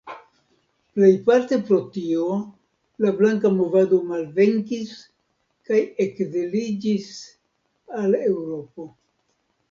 Plejparte pro tio la Blanka movado malvenkis kaj ekziliĝis al Eŭropo.